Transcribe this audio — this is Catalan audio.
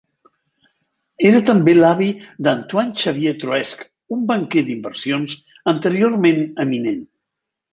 Era també l'avi d'Antoine-Xavier Troesch, un banquer d'inversions anteriorment eminent.